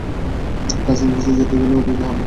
প্রাচীন গ্রিসে যেতে গেলে অতীতে যেতে হবে।